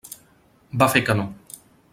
Va fer que no.